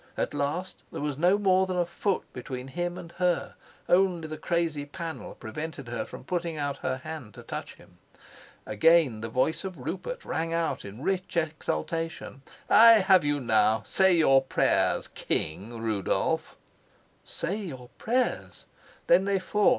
At last there was no more than a foot between him and her; only the crazy panel prevented her putting out her hand to touch him. Again the voice of Rupert rang out in rich exultation, "I have you now! Say your prayers, King Rudolf!" "Say your prayers!" Then they fought.